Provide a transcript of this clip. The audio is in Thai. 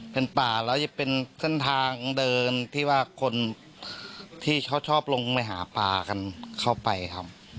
เป็นป่าแล้วจะเป็นเส้นทางเดินที่ว่าคนที่เขาชอบลงไปหาปลากันเข้าไปครับ